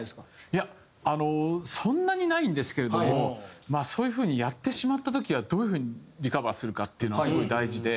いやあのそんなにないんですけれどもそういう風にやってしまった時はどういう風にリカバーするかっていうのはすごい大事で。